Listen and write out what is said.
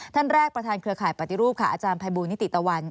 ท่านแรกประธานเครือข่ายปฏิรูปค่ะอาจารย์ภัยบูลนิติตะวัน